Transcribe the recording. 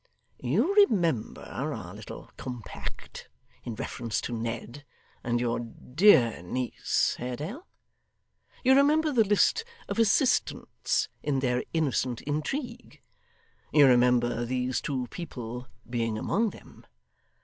You remember our little compact in reference to Ned, and your dear niece, Haredale? You remember the list of assistants in their innocent intrigue? You remember these two people being among them?